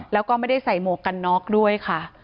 แล้วก็ไม่ได้ใส่หมวกกันน็อกด้วยค่ะ